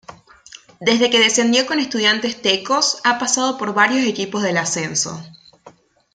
Desde que Descendió con Estudiantes Tecos, ha pasado por varios equipos del Ascenso.